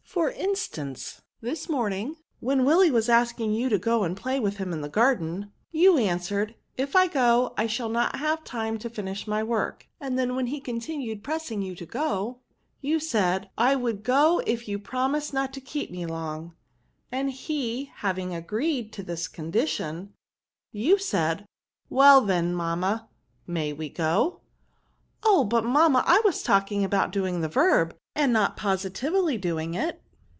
For instance, this morning, when Willy was asking you to go and play with him in the garden, you an S16 VERB9. swered^ ' if I go, I sihall not have time to finish my work;' and then, when he conti nued pressing you to go, you said, ^ I would go if you promised not to keep me long ;' and he having agreed to this condition, you said, ^ well, then, mamma, may we go ?'"^^ Oh ! but mamma, that was talking about doing the verb, and not positively doing it."